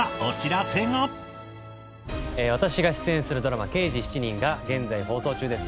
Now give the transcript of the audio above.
私が出演するドラマ『刑事７人』が現在放送中です。